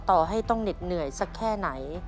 ต่อให้ต้องเหน็ดเหนื่อยสักแค่ไหน